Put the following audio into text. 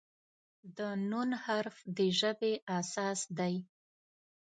د "ن" حرف د ژبې اساس دی.